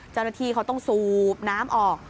เจ้าหน้าที่เขาต้องสูบน้ำออก